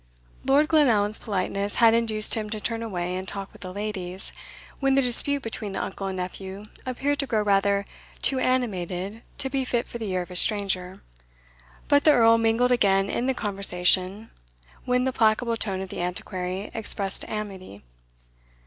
Lord Glenallan's politeness had induced him to turn away and talk with the ladies, when the dispute between the uncle and nephew appeared to grow rather too animated to be fit for the ear of a stranger, but the Earl mingled again in the conversation when the placable tone of the Antiquary expressed amity.